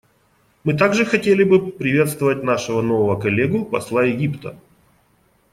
Мы также хотели бы приветствовать нашего нового коллегу — посла Египта.